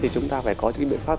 chúng ta phải có những biện pháp